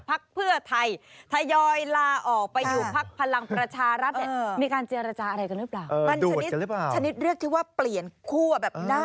มันไม่ได้มีการเจรจาอะไรพิเศษนะ